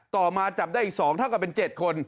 ต่อมาจับได้อีก๒เท่ากับเป็น๗คน